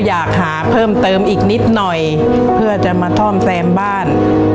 อยากหาเพิ่มเติมอีกนิดหน่อยเพื่อจะมาซ่อมแซมบ้าน